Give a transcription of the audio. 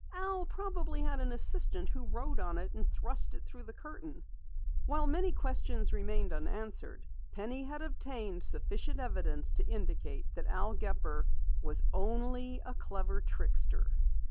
"Al probably had an assistant who wrote on it and thrust it through the curtain." While many questions remained unanswered, Penny had obtained sufficient evidence to indicate that Al Gepper was only a clever trickster.